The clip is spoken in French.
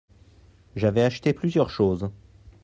J'avais acheté plusieurs choses.